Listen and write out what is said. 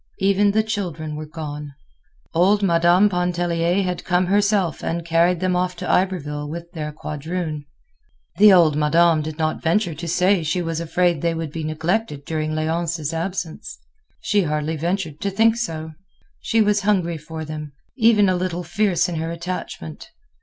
Even the children were gone. Old Madame Pontellier had come herself and carried them off to Iberville with their quadroon. The old madame did not venture to say she was afraid they would be neglected during Léonce's absence; she hardly ventured to think so. She was hungry for them—even a little fierce in her attachment.